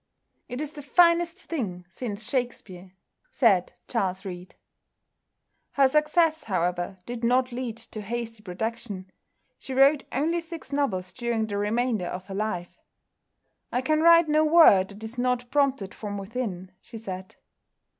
"It is the finest thing since Shakspere," said Charles Reade. Her success, however, did not lead to hasty production. She wrote only six novels during the remainder of her life. "I can write no word that is not prompted from within," she said.